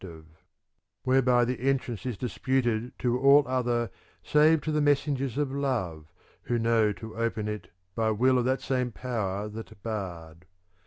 410 THE CONVIVIO Ode Whereby the entrance is disputed to all other Save to the messengers of love, vcho know to open it by will of that same power that barred.